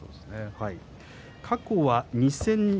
過去は２戦。